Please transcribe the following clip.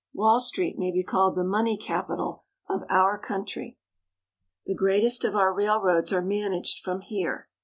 Wall Street may be called the money capital of our Wall Street. 64 NEW YORK. country. The greatest of our railroads are managed from here.